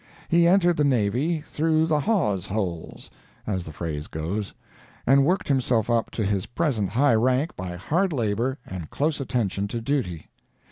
He entered the navy "through the hawse holes," as the phrase goes, and worked himself up to his present high rank by hard labor and close attention to duty.